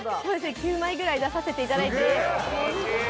９枚ぐらい出させていただいてすげえ！